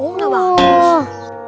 oh gak bagus